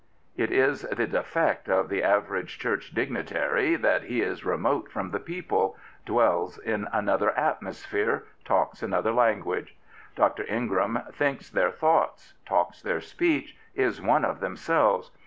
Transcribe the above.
" It is the defect of the average Church dignitary that he is remote from the people, dwells in another atmosphere, talks another language. Dr. Ingram thinks their thoughts, talks their speech, is one of themselves.